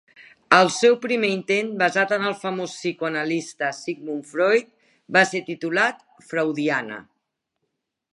El seu primer intent, basat en el famós psicoanalista Sigmund Freud, va ser titulat Freudiana.